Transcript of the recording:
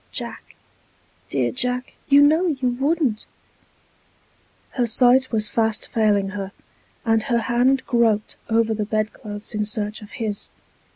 Jack, dear Jack, you know you wouldn't!" Her sight was fast failing her, and her hand groped over the bed clothes in search of his.